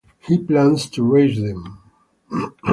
He plans to race them.